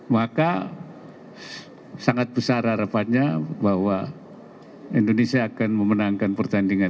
maka sangat besar harapannya bahwa indonesia akan memenangkan pertandingan